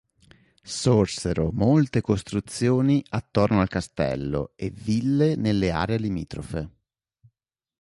Sorsero molte costruzioni attorno al castello e ville nelle aree limitrofe.